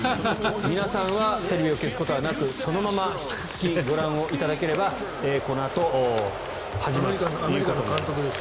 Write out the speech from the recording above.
皆さんはテレビを消すことはなくそのまま引き続きご覧いただければこのあと始まるということになります。